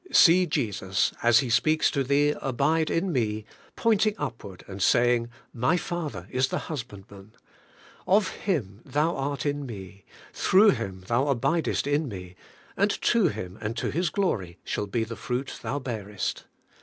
See Jesus, as He speaks to thee, 'Abide in me,' pointing upward and saying, *My Fathek is the HusBAN"DMAisr. Of Him thou art GOD HIMSELF HAS UNITED YOU TO HIM. 57 in me, through Him thou abidest in me, and to Him and to His glory shall be the fruit thou bearest.'